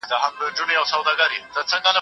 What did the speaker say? زه اوس ښوونځی ځم.